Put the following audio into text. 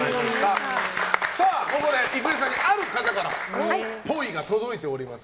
ここで郁恵さんにある方からっぽいが届いております。